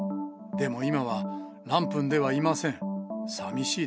でも今は、ランプンではいません。